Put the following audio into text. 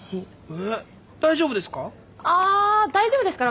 え大丈夫ですか？